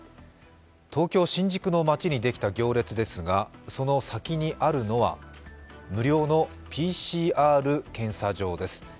東京・新宿の街にできた行列ですがその先にあるのは無料のＰＣＲ検査場です。